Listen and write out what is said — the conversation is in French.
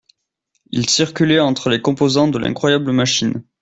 ils circulaient entre les composants de l’incroyable machine